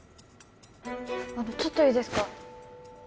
あのちょっといいですか